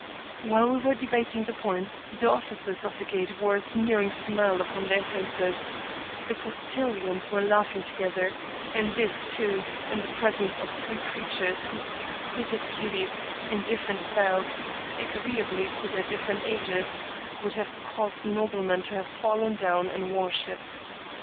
While we were <lebating the point, the officers of the gate wore a sneering •smile upon their faces — the postilions were laughing to gether; and this, too, in the presence of three creatures whose exquisite beauty, in different styles, agreeably to their different ages, would have caused noblemen to have fallen down and worshiped.